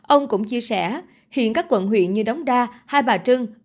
ông cũng chia sẻ hiện các quận huyện như đống đa hai bà trưng